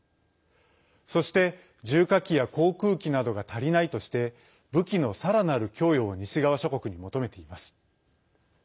そして、重火器や航空機などが足りないとして武器のさらなる供与を西側諸国に求めています。